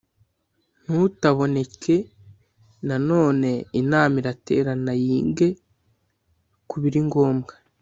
Ntutaboneke na none inama iraterana yinge kubiri ngobwa